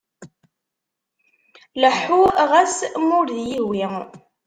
Leḥḥuɣ ɣas ma ur d iy-ihwi.